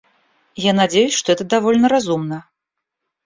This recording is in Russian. Я надеюсь, что это довольно разумно.